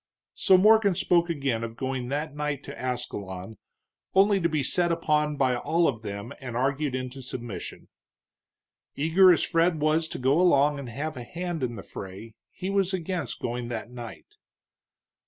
So Morgan spoke again of going that night to Ascalon, only to be set upon by all of them and argued into submission. Eager as Fred was to go along and have a hand in the fray, he was against going that night.